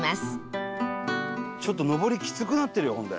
ちょっと上りきつくなってるよほんで。